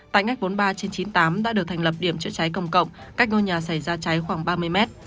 tại ngách bốn mươi ba trên chín mươi tám đã được thành lập điểm chữa cháy công cộng cách ngôi nhà xảy ra cháy khoảng ba mươi mét